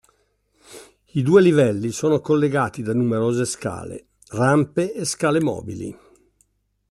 I due livelli sono collegati da numerose scale, rampe e scale mobili.